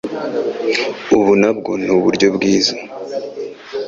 Ubu nabwo ni uburyo bwiza